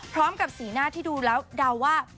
พร้อมกับสีหน้าที่ดูแล้วดาวว่า